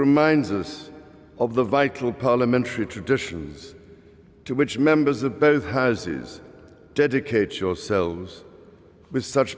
di mana para anggota parlemen menyiapkan belasungkawa mereka atas kematian ratu elizabeth ii